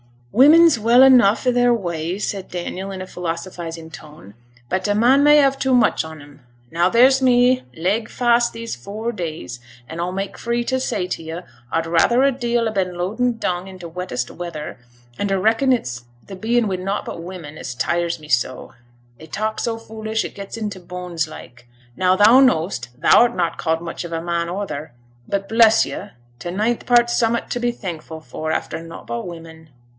'Women's well enough i' their way,' said Daniel, in a philosophizing tone, 'but a man may have too much on 'em. Now there's me, leg fast these four days, and a'll make free to say to yo', a'd rather a deal ha' been loading dung i' t' wettest weather; an' a reckon it's th' being wi' nought but women as tires me so: they talk so foolish it gets int' t' bones like. Now thou know'st thou'rt not called much of a man oather, but bless yo', t' ninth part's summut to be thankful for, after nought but women.